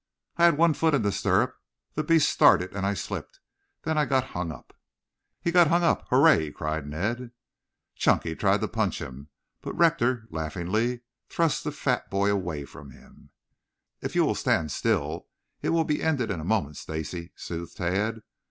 "I I had one foot in the stirrup. The beast started and I slipped. Then I got hung up." "He got hung up. Hooray!" cried Ned. Chunky tried to punch him, but Rector laughingly thrust the fat boy away from him. "If you will stand still it will be ended in a moment, Stacy," soothed Tad.